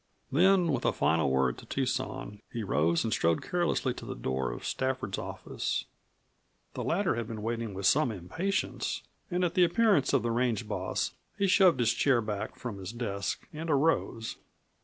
Then, with a final word to Tucson, he rose and strode carelessly to the door of Stafford's office. The latter had been waiting with some impatience, and at the appearance of the range boss he shoved his chair back from his desk and arose.